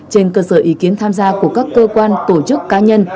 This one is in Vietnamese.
trên cơ sở ý kiến tham gia của các cơ quan tổ chức cá nhân